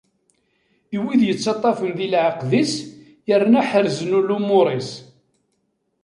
I wid yettaṭṭafen di leɛqed-is yerna ḥerrzen lumuṛ-is.